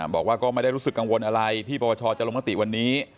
บอกว่าก็ไม่ได้รู้สึกกังวลอะไรที่ปปชจะลงมติวันนี้